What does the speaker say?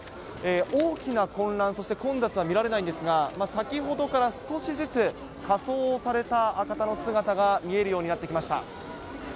大きな混乱、そして混雑は見られないんですが、先ほどから少しずつ、仮装をされた方の姿が見えるようになってきました。